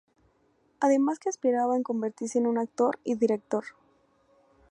Además que aspiraba en convertirse en un actor y director.